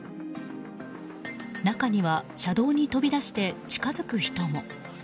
中には車道に飛び出して近づく人も。